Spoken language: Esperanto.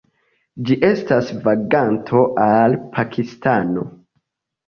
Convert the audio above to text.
Ĝi estas vaganto al Pakistano.